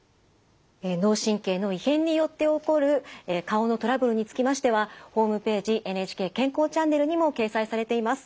脳神経の異変によって起こる顔のトラブルにつきましてはホームページ「ＮＨＫ健康チャンネル」にも掲載されています。